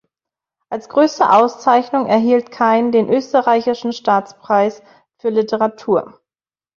Als größte Auszeichnung erhielt Kein den Österreichischen Staatspreis für Literatur.